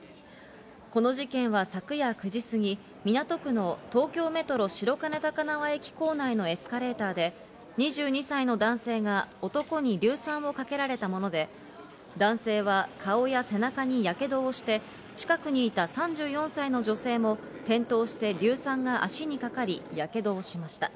この事件は昨夜９時すぎ、港区の東京メトロ白金高輪駅構内のエスカレーターで、２２歳の男性が男に硫酸をかけられたもので、男性は顔や背中にヤケドをして近くにいた３４歳の女性も転倒して硫酸が足にかかりヤケドをしました。